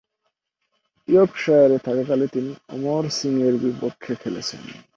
ইয়র্কশায়ারে থাকাকালে তিনি অমর সিংয়ের বিপক্ষে খেলেছেন।